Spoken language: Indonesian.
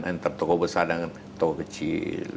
lahan antar tokoh besar dengan tokoh kecil